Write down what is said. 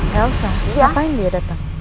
gak usah ngapain dia dateng